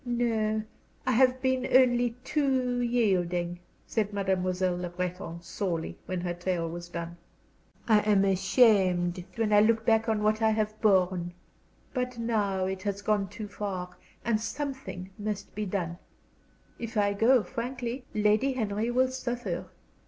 "No. I have been only too yielding," said Mademoiselle Le Breton, sorely, when her tale was done. "I am ashamed when I look back on what I have borne. But now it has gone too far, and something must be done. If I go, frankly, Lady Henry will suffer."